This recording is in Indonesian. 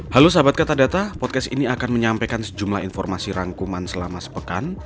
halo sahabat kata podcast ini akan menyampaikan sejumlah informasi rangkuman selama sepekan